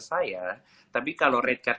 saya tapi kalau redcard